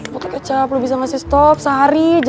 buka kecap lo bisa ngasih stop sehari aja